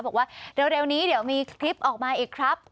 บอกว่าเร็วนี้เดี๋ยวมีคลิปออกมาอีกครับ